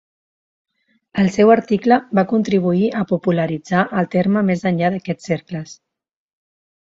El seu article va contribuir a popularitzar el terme més enllà d'aquests cercles.